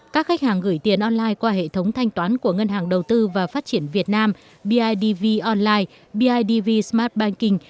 các khách hàng gửi tiền online qua hệ thống thanh toán của ngân hàng đầu tư và phát triển việt nam bidv online bidv smart banking